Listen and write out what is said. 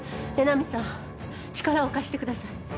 江波さん力を貸してください。